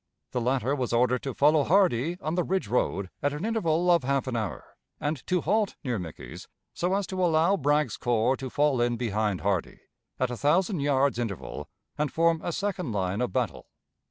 The latter was ordered to follow Hardee on the Ridge road at an interval of half an hour, and to halt near Mickey's, so as to allow Bragg's corps to fall in behind Hardee, at a thousand yards' interval, and form a second line of battle.